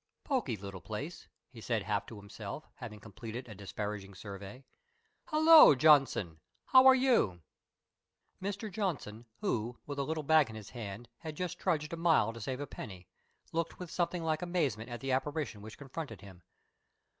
"Poky little place," he said half to himself, having completed a disparaging survey. "Hullo, Johnson! How are you?" Mr. Johnson, who, with a little bag in his hand, had just trudged a mile to save a penny, looked with something like amazement at the apparition which confronted him.